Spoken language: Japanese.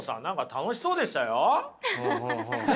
楽しそうでした？